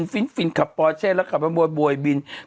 ฟินฟินขับปอร์เจสและคับมาบวนบ่อยบิน